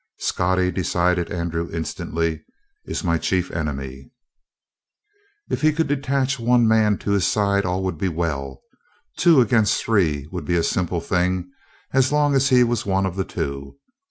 "Scottie," decided Andrew instantly, "is my chief enemy." If he could detach one man to his side all would be well. Two against three would be a simple thing, as long as he was one of the two.